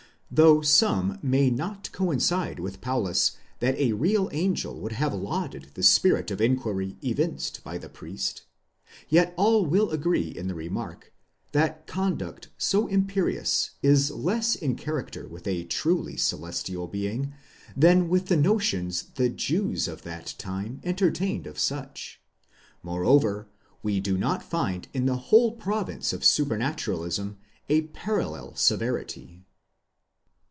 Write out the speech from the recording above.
Though some may not coincide with Paulus that a real angel would have lauded the spirit of inquiry evinced by the priest, yet all will agree in the remark, that conduct so imperious is less in character with a truly celestrial being than with the notions the Jews of that time entertained of such. Moreover we do not find in the whole province of supranaturalism a parallel severity.